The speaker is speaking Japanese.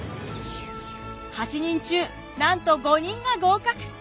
８人中なんと５人が合格！